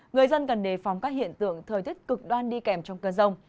người dân cần đề phóng các hiện tượng thời tiết cực đoan đi kèm trong cơn rông